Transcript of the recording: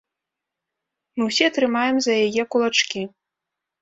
Мы ўсе трымаем за яе кулачкі!